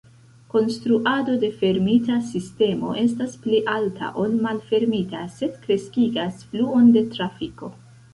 Konstruado de fermita sistemo estas pli alta ol malfermita sed kreskigas fluon de trafiko.